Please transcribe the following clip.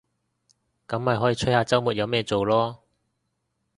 噉咪可以吹下週末有咩做囉